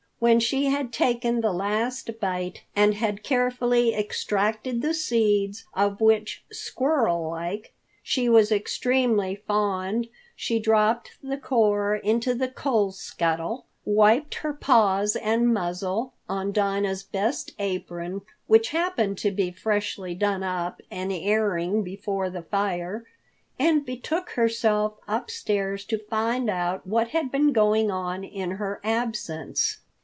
When she had taken the last bite and had carefully extracted the seeds, of which, squirrel like, she was extremely fond, she dropped the core into the coal scuttle, wiped her paws and muzzle on Dinah's best apron which happened to be freshly done up and airing before the fire, and betook herself upstairs to find out what had been going on in her absence.